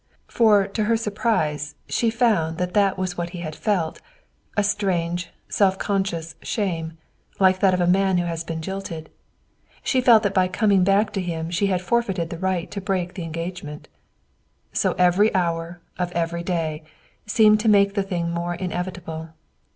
For to her surprise she found that that was what he had felt a strange, self conscious shame, like that of a man who has been jilted. She felt that by coming back to him she had forfeited the right to break the engagement. So every hour of every day seemed to make the thing more inevitable.